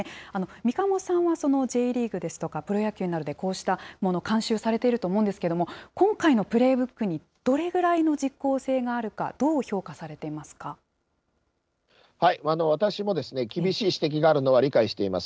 三鴨さんはそのＪリーグですとか、プロ野球などでこうしたもの、監修されてると思うんですけれども、今回のプレイブックにどれくらいの実効性があるか、どう評価され私も厳しい指摘があるのは理解しています。